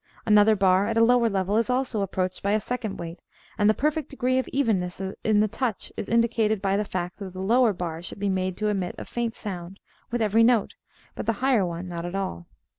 Another bar, at a lower level, is also approached by a second weight, and the perfect degree of evenness in the touch is indicated by the fact that the lower bar should be made to emit a faint sound with every note, but the higher one not at all.